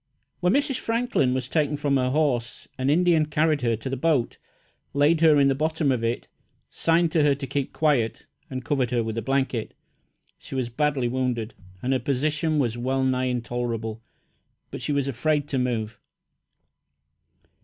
When Mrs. Franklin was taken from her horse, an Indian carried her to the boat, laid her in the bottom of it, signed to her to keep quiet, and covered her with a blanket. She was badly wounded, and her position was well nigh intolerable, but she was afraid to move.